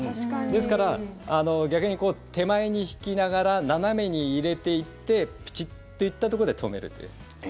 ですから逆に、手前に引きながら斜めに入れていってプチッといったところで止めるという。